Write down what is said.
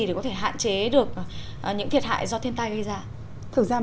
để có thể hạn chế được những thiệt hại do thiên tai gây ra